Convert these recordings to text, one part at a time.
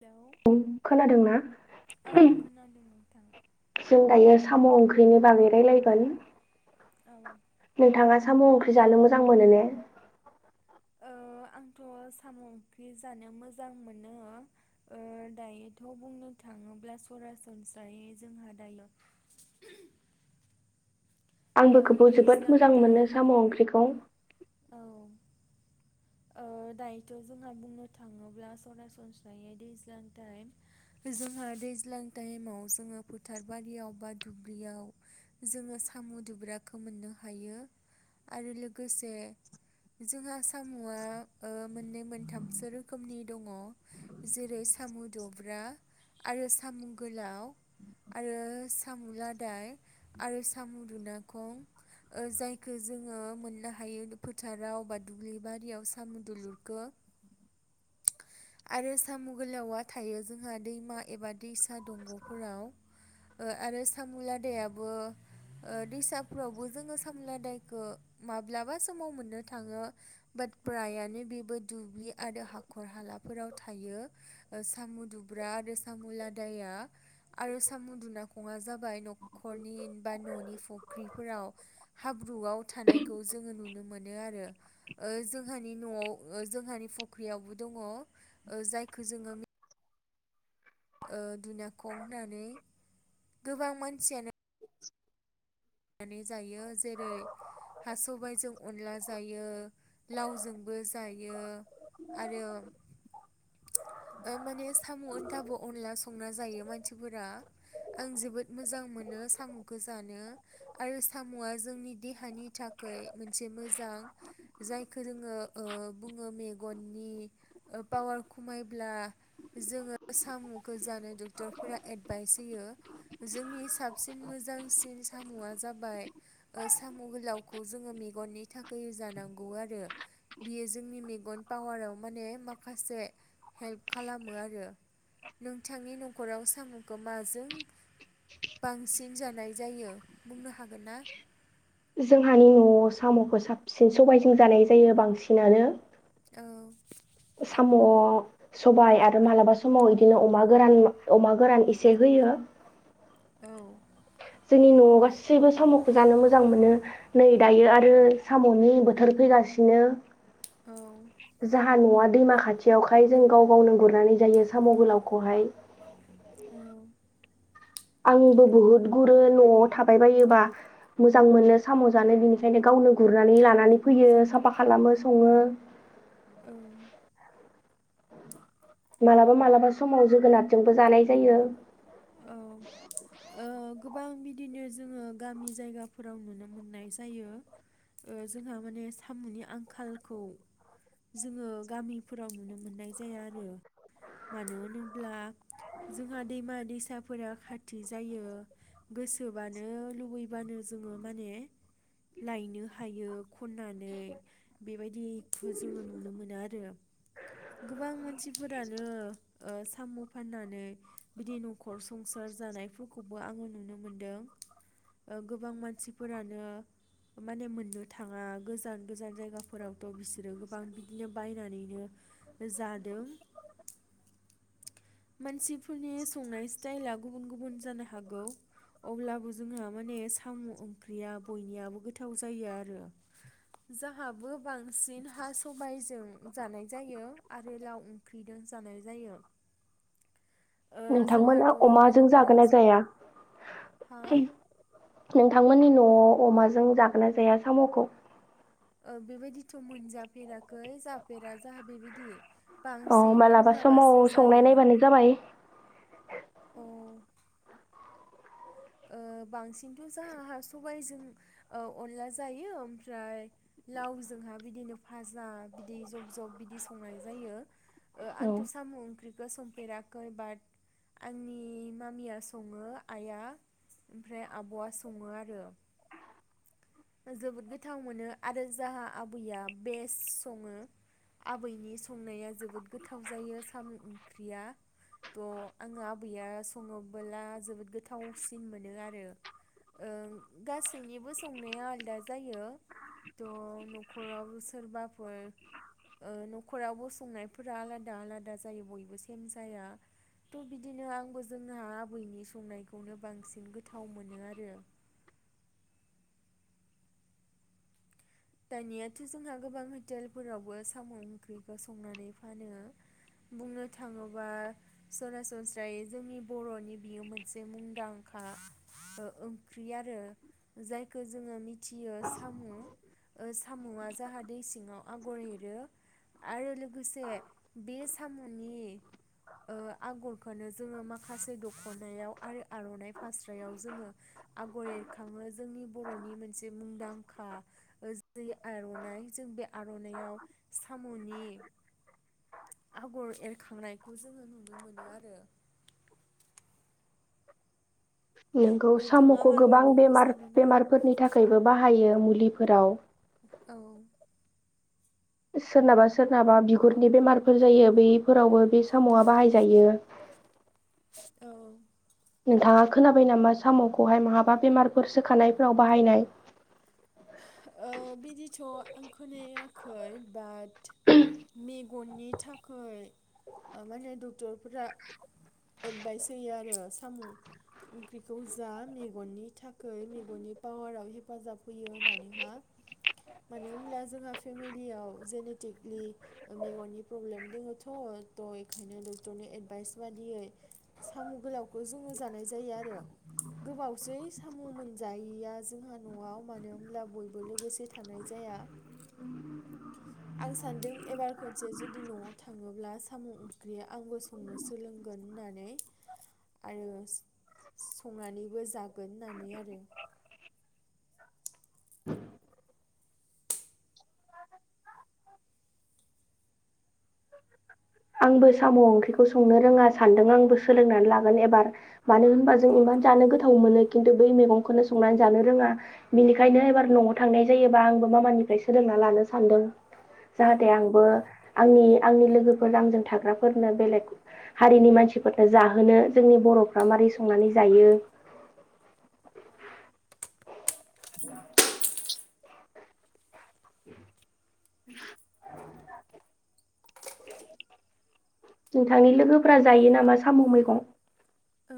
Hello औ खोनादोंना? खोनादों नोंथां जों दायो साम' ओंख्रिनि बागै रायलायगोन औ नोंथाङा साम' ओंख्रि जानो मोजां मोनो ने? ओ आंथ' साम' ओंख्रि जानो मोजां मोनो ओ दायोथ' बुंनो थाङोब्ला सरासनस्रायै जोंहा दायोण आंबो बेखौ जोबोद मोजां मोनो टाइम साम' ओंख्रिखौ। औ ओ दायोथ' जोंहा बुंनो थाङोब्ला सरासनस्रायै दैज्लां टाइम जोंहा दैज्लां टाइमाव जोङो फोथार बारियाव बा दुल्बियाव जोङो साम' दुब्राखौ मोननो हायो आरो लोगोसे जोंहा सामुआ मोननै मोनथामसो रोखोमनि दङ जेरै सामु दुब्रा आरो साम' गोलाव आरो सामु लादाय आरो सामु दुनाखं जायखौ जोङो मोननो हायो। फोथाराव बा दुब्लि बारियाव सामु दुलुरखो आरो सामु गोलावा थायो जोंहा दैमा एबा दैसा दंग'फोराव ओ आरो सामु लादायाबो दैसाफोरावबो जोङो सामु लादायखौ माब्लाबा समाव मोननो थाङो बाट प्रायानो बेबो दुब्लि आरो हाखर हालाफोराव थायो सामु दुब्रा आरो सामु लादाया आरो सामु दुनाखङा जाबाय न'खरनि बा न'नि फुख्रिफोराव हाब्रुआव थानायखौ जोङो नुनो मोनो आरो ओ जोंहानि न'आव जोंहानि फख्रियावबो दङ जायखौ जोङो ओ दुनाखं होननानै गोबां मानसियानो [inaudible] [unintelligible] नानै जायो जेरै हा सबाइजों अनला जायो लावजोंबो जायो। आरो [inaudible] ओ माने सामु ओनथाबो अनला संना जायो मानसिफोरा आं जोबोद मोजां मोनो सामुखो जानो आरो सामुआ जोंनि देहानि थाखाय मोनसे मोजां जायखौ जोङो बुङो मेगननि पावार खमायब्ला जोङो सामुखौ जानो डक्टरफोरा एडभाइस होयो जोंनि साबसिन मोजांसिन सामुआ जाबाय सामु गोलावखौ जोङो मेगननि थाखाय जानांगौ आरो बियो जोंनि मेगन पावाराव माने माखासे हेल्प खालामो आरो नोंथांनि न'खराव साम'खौ माजों बांसिन जा नाय जायो। बुंनो हागोन ना? जोंहानि न'आव सामुखौ साबसिन सबायजों जानाय जायो बांसिनानो। औ साम' सबाय आरो मालाबा समाव इदिनो अमा गोरान अमा गोरान एसे होयो। औ जोंनि न'आव गासैबो साम'खौ जानो मोजां मोनो नै दायो आरो साम'नि बोथोर फैगासिनो। औ जाहा न'आ दैमा खाथियावखाय जों गाव गावनो गुरनानै जायो साम' गोलावखौहाय। औ आंबो बहुद गुरो न'आव थाबाय बायोबा मोजां मोनो साम' जानो बिनिखायनो गावनो गुरनानै लानानै फैयो साफा खालामो सङो। औ मालाबा मालाबा समाव जोगोनारजोंबो जानाय जायो। औ ओ गोबां बिदिनो जोङो गामि जायगाफोराव नुनो मोननाय जायो ओ जोंहा माने सामुनि आंखालखौ जोङो गामिफोराव नुनो मोननाय जाया आरो। मानो होनोब्ला जोंहा दैमा दैसाफोरा खाथि जायो। गोसोबानो लुबैबानो जोङो माने लायनो हायो। खननानै बेबायदिखौ जोङो नुनो मोनो आरो गोबां मानसिफोरानो ओ साम' फाननानै बिदि न'खर संसार जानायफोरखौ आङो नुनो मोनदों ओ गोबां मानसिफोरानो माने मोननो थाङा गोजान गोजान जायगाफोरावथ' बिसोरो गोबां बिदिनो बायनानैनो जादों। मानसिफोरनि संनाय स्टाइला गुबुन गुबुन जानो हागौ अब्लाबो जोंहा माने साम' ओंख्रिया बयनियाबो गोथाव जायो आरो जाहाबो बांसिन हा सबाइजों जानाय जायो आरो लाव ओंख्रिजों जानाय जायो। ओ नोंथांमोना जोंहाथ' अमाजों न'खराव जागोना जाया हा नों थांमोननि न'आव अमाजों जागोन ना जाया साम'खौ? ओ बेबायदिथ' मोनजाफेराखै जाफेरा जाहा बेबायदि औ बांसिन मालाबा समाव माबासो संनाय जायो नायबानो जाबाय अ ओ बांसिनथ' जाहा सबाइजों ओ अनला जायो ओमफ्राय लावजोंहा बिदिनो फाजा बिदि जब जब बिदि संनाय जायो ओ औ आंथ' साम' ओंख्रिखौ संफेराखै बाट आंनि मामिया सङो आइआ ओमफ्राय आब'आ सङो आरो जोबोद गोथाव मोनो आरो जाहा आबैया बेस्ट सङो आबैनि संनाया जोबोद गोथाव जायो साम' ओंख्रिया थह आङो आबैया सङोबोला जोबोद गोथावसिन मोनो आरो ओं गासैनिबो सं नाया आलादा जायो थह न'खराव सोरबाफोर न'खरावबो संनायफोरा आलादा आलादा जायो बयबो सेम जाया थ' बिदिनो आंबो जोंहा आबैनि संनायखौनो बांसिन गोथाव मोनो आरो। दानियाथ' जोंहा गोबां हटेलफोरावबो साम' ओंख्रिखौ संनानै फानो बुंनो थाङोबा सरासनस्रायै जोंनि बर'नि बियो मोनसे मुंदांखा ओंख्रि आरो जायखौ जोङो मि थियो साम' ओ साम'आ जाहा दै सिङाव आगर एरो आरो लोगोसे बे साम'नि ओ आगरखौनो जोङो माखासे दख'नायाव आरो आर'नाइ फास्रायाव जोङो आगर एरखाङो जोंनि बर'नि मोनसे मुंदांखा जै आर'नाइ जों बे आर'नाइाव साम'नि आगर एरखांनायखौ जोङो नुनो मोनो आरो। नंगौ नोंथाङा साम'खौ मायबा गोबां बुंनो बेमार सानो ना? बेमारफोरनि थाखायबो बाहायो मुलि बिफोदाव औ औ सोरनाबा सोरनाबा बिगुरनि बेमारफोर जायो बैफोरावबो बे साम'आ बाहायजायो। औ नोंथाङा खोनाबाय नामा साम'खौहाय माहाबा बेमारफोर सोखानायफोराव बाहायनाय? बिदिथ' आं खोनायाखै बाट मेगननि थाखाय माने डक्टरफोरा एदभाइस होयो आरो साम' ओंख्रिखौ जा मेगननि थाखाय मेगननि पावाराव हेफाजाब होयो होननानैहा मानो होनब्ला जोंहा फेमिलियाव जेनेटिकलि मेगननि प्रब्लेम दङथ' थ' बेखायनो डक्टरनि एदभाइस बादियै साम' गोलावखौ जोङो जानाय जायो आरो गोबावसै साम' मोनजायैया जोंहा न'आव मानो होनब्ला बयबो लोगोसे थानाय जाया। आं सानदों एबार खनसे जुदि न'आव थाङोब्ला साम' ओंख्रि आंबो संनो सोलोंगोन होननानै आरो संनानैबो जागोन होननानै आरो। आंबो साम' ओंख्रिखौ संनो रोङा सानदों आंबो सोलोंनानै लागोन एबार मानो होनबा जों इमानो जानो गोथाव मोनो खिन्थु बै मैगंखौनो संनानै जानो रोङा बेनिखायनो एबार न'आव थांनाय जायोबा आंबो मामानिफ्राय सोलोंना लानो सानदों। औ जाहाथे औ आंबो आंनि आंनि लोगो फोर आंजों थाग्राफोरनो बेलेग हारिनि मानसिफोरनो जाहोनो जोंनि बर'फ्रा मारै संनानै जायो औ नोंथांनि लोगोफोरा जायो नामा साम' मैगं? ओ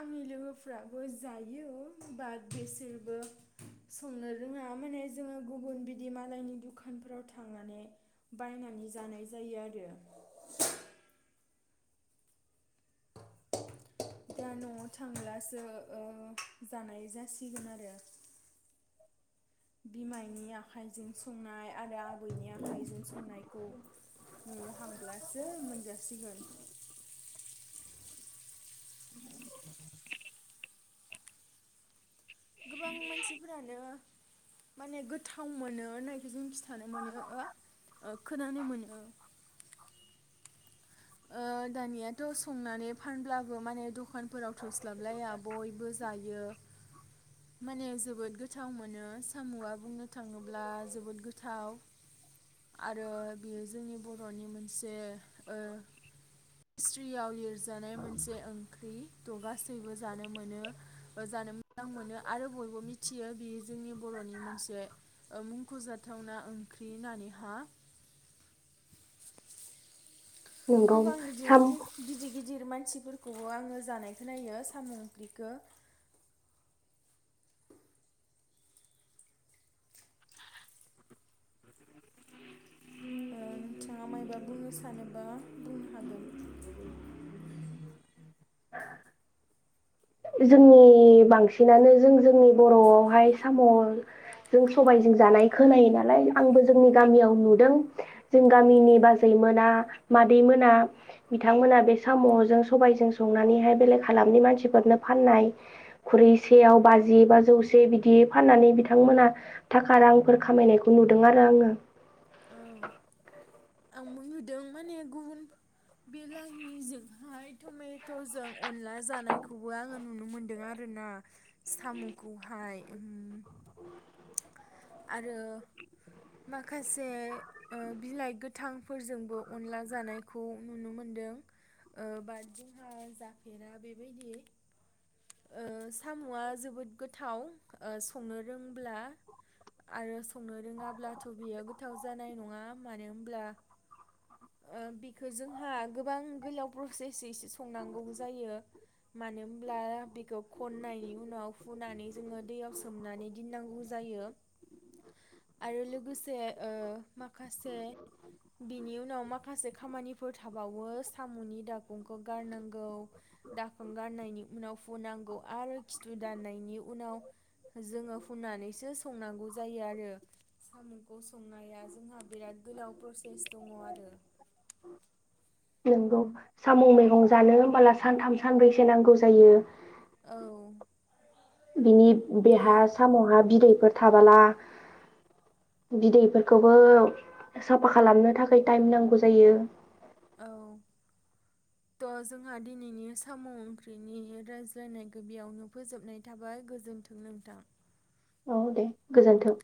आंनि लोगोफ्राबो जायो बात बेसोरबो संनो रोङा माने जोङो गुबुन बिदि मालायनि दुखानफोराव थांनानै बायनानै जानाय जायो आरो। दा न'आव थांब्लासो ओ जानाय जासिगोन आरो। बिमाइनि आखाइजों संनाय आरो आ बैनि आखाइजों संनाय खौ न'आव हांब्लासो मोनजासिगोन। गोबां मानसिफोरानो माने गोथाव मोनो होननायखौ जों खिन्थानो मोनो खोनानो मोनो। ओ दानियाथ' संनानै फानब्लाबो माने दखानफोराव थोस्लाबलाया बयबो जायो। माने जोबोद गोथाव मोनो साम'आ बुंनो थाङोब्ला जोबोद गोथाव आरो बेयो जोंनि बर'नि मोनसे ओ हिस्ट्रियाव लिरजानाय मोनसे ओंख्रि थ' गासैबो जानो मोनो बा जानो मोजां मोनो। आरो बयबो मिथियो बे जोंनि बर'नि मोनसे ओ मुंख'जाथावना ओंख्रि होननानैहा। नोंगौ गोबांनि साम बिदिनो गिदिर गिदिर मानसिफोरखौबो आङो जानायखौ नायो साम' ओंख्रिखो। ओ नोंथाङा मायबा बुंनो सानोबा बुंनो हागोन। जोंनि बांसिनानो जों जोंनि बर'आवहाय साम' जों सबायजों जानाय खोनायो नालाय। आंबो जोंनि गामियाव नुदों। जों गामिनि बाजै मोना मादै मोना बिथांमोना बे साम'जों सबायजों संनानैहाय बेलेग हालामनि मानसिफोरनो फाननाय खुरैसेयाव बाजि बा जौसे बिदि फाननानै बिथांमोना थाखा रांफोर खामायनायखौ नुदों आरो आङो [inaudible] औ आंबो नुदों माने गुबुन बेलाहिजोंहाय टमेट'जों अनला जानायखौबो आङो नुनो मोनदों आरोना साम'खौहाय। उम। आरो माखासे ओ बिलाइ गोथांफोरजोंबो अनला जानायखौ नुनो मोनदों। ओ बाट जोंहा जाफेरा बेबायदि। ओ साम'आ जोबोद गोथाव। ओ संनो रोंब्ला आरो संनो रोङाब्लाथ' बियो गोथाव जानाय नङा मानो होमब्ला ओ बेखौ जोंहा गोबां गोलाव प्रसेसैसे संनांगौ जायो। मानो होमब्ला बेखौ खन्नायनि उनाव हुनानै जोङो दैयाव सोमनानै दिननांगौ जायो। आरो लोगोसे ओ मा माखासे बिनि उनाव मा माखासे खामानिफोर थाबावो साम'नि दाखंखौ गारनांगौ दाखोन गारनायनि उनाव फुनांगौ आरो खिथु दाननायनि उनाव जोङो हुनानैसो संनांगौ जायो आरो। साम'खौ संनाया जोंहा बिराद गोलाव प्रसेस दङ आरो। नोंगौ साम' मैगं जानो होमबाला सान्थाम सानब्रैसो नांगौ जायो। औ। बिनि थ' बेहा साम'हा बिदै फोर थाबाला बिदैफोरखौबो साफा खालामनो थाखाय टाइम नांगौ जायो। औ थ' जोंहा दिनैनि साम' ओंख्रिनि रायज्लायनायखो‌ बियावनो फोजोबनाय थाबाय गोजोन्थों नोंथां। औ दे गोजोन्थों।